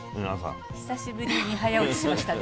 久しぶりに早起きしましたね。